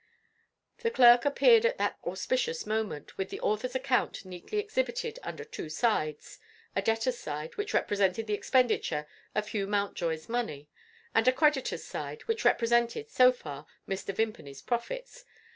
The clerk appeared at that auspicious moment, with the author's account neatly exhibited under two sides: a Debtor side, which represented the expenditure of Hugh Mountjoy's money; and a Creditor side, which represented (so far) Mr. Vimpany's profits.